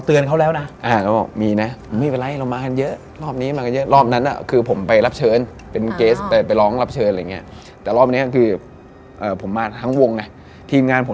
ที่บ้านเนี่ยมันเป็นบ้านจัดสรรพี่